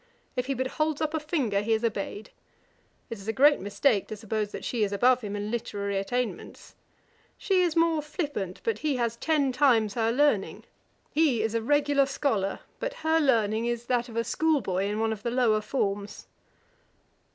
If he but holds up a finger, he is obeyed. It is a great mistake to suppose that she is above him in literary attainments. She is more flippant; but he has ten times her learning: he is a regular scholar; but her learning is that of a school boy in one of the lower forms.'